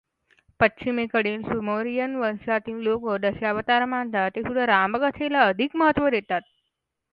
पश्चिमेकडील सुमेरियन वंशातील लोक दशावतार मानतात, ते सुद्धा रामकथेला अधिक महत्त्व देतात.